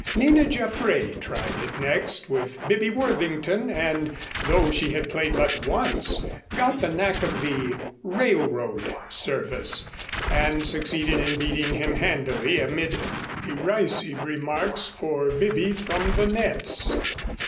Nina Jaffray tried it next with Bibby Worthington and though she had played but once, got the knack of the "railroad" service and succeeded in beating him handily, amid derisive remarks for Bibby from the nets.